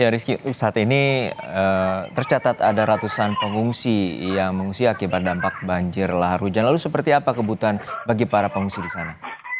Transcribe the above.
ya rizky saat ini tercatat ada ratusan pengungsi yang mengungsi akibat dampak banjir lahar hujan lalu seperti apa kebutuhan bagi para pengungsi di sana